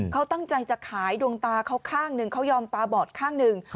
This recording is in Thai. เขาตั้งใจจะขายดวงตาเขาข้างหนึ่งเขายอมตาบอดข้างหนึ่ง